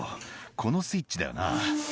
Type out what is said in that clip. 「このスイッチだよな」